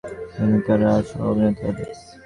তাই সেলিব্রেশনের মুডে থাকার কথা জন আর তার সহ অভিনেতাদের।